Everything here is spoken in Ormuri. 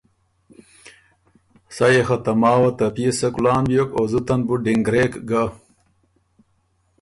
سَۀ يې خه ته ماوه ته پئے سۀ کُلان بیوک او زُته ن بُو ډِنګړېک ګۀ۔